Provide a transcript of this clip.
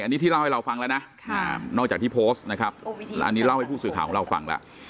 อันนี้ที่เล่าให้เราฟังแล้วนะนอกจากที่โพสต์นะครับอันนี้เล่าให้ผู้สื่อข่าวของเราฟังแล้ว